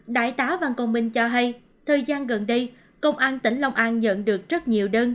đại tá văn công minh cho hay thời gian gần đây công an tỉnh long an nhận được rất nhiều đơn